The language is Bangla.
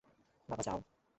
বাবা, যাও।